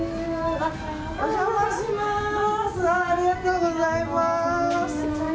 あー、ありがとうございます。